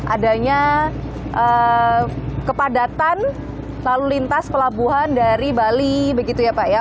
adanya kepadatan lalu lintas pelabuhan dari bali begitu ya pak ya